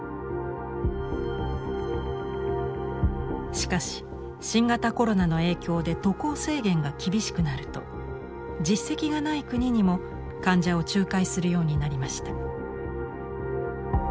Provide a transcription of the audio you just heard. しかし新型コロナの影響で渡航制限が厳しくなると実績がない国にも患者を仲介するようになりました。